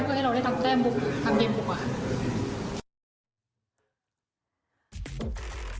เพื่อให้เราได้ทำแก้มุมทำเกมของเขา